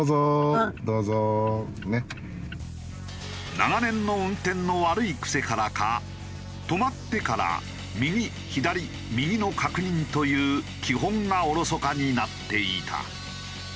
長年の運転の悪い癖からか止まってから右左右の確認という基本がおろそかになっていた。